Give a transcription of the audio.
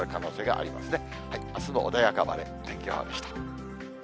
あすも穏やかな晴れ、天気予報でした。